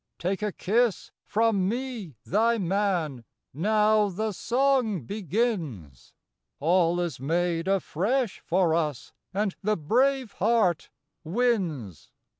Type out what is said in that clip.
Take a kiss from me thy man ; now the song begins ;" All is made afresh for us, and the brave heart wins."